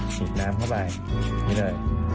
นิดน้ำเข้าไปอย่างนี้เลย